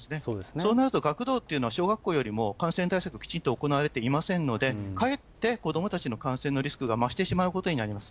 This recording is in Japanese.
そうなると学童っていうのは、小学校よりも感染対策きちんと行われていませんので、かえって子どもたちの感染のリスクが増してしまうことになります。